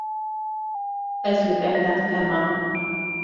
Ez li benda te mam.